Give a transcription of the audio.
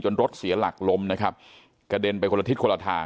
จนรถเสียหลักลมนะครับ